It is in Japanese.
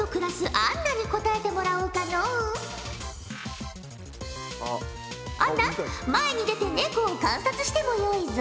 アンナ前に出てネコを観察してもよいぞ。